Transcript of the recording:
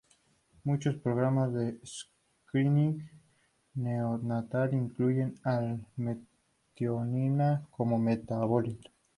Muchos programas de screening neonatal incluyen a la metionina como metabolito.